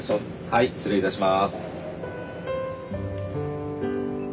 はい失礼いたします。